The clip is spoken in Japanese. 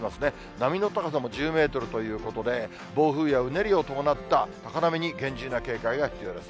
波の高さも１０メートルということで、暴風やうねりを伴った高波に厳重な警戒が必要です。